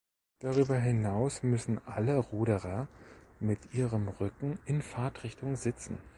Darüber hinaus müssen alle Ruderer mit ihrem Rücken in Fahrtrichtung sitzen.